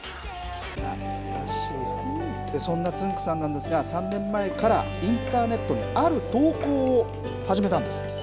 そんなつんく♂さんなんですが３年前からインターネットにある投稿を始めたんです。